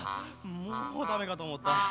もうダメかとおもった。